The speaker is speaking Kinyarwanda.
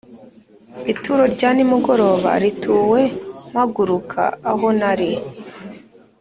Ituro rya nimugoroba rituwe mpaguruka aho nari